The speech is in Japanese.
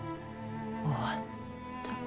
終わった。